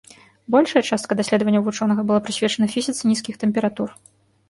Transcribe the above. Большая частка даследаванняў вучонага была прысвечана фізіцы нізкіх тэмператур.